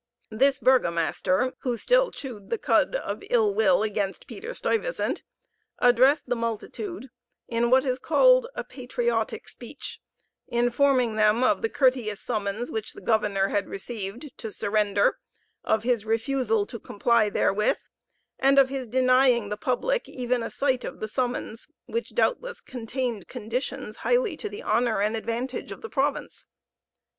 This burgomaster, who still chewed the cud of ill will against Peter Stuyvesant, addressed the multitude in what is called a patriotic speech, informing them of the courteous summons which the governor had received to surrender, of his refusal to comply therewith, and of his denying the public even a sight of the summons, which doubtless contained conditions highly to the honor and advantage of the province.